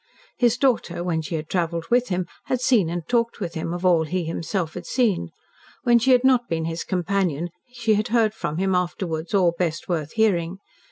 His daughter, when she had travelled with him, had seen and talked with him of all he himself had seen. When she had not been his companion she had heard from him afterwards all best worth hearing.